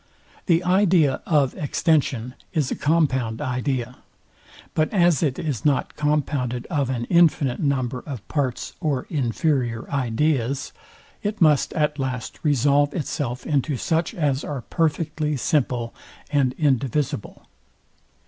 The idea of extension is a compound idea; but as it is not compounded of an infinite number of parts or inferior ideas, it must at last resolve itself into such as are perfectly simple and indivisible.